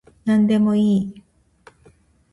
なんでもいい